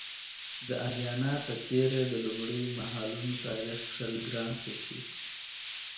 د اریانا په تیره د لومړیو مهالونو تاریخ کښل ګران څه چې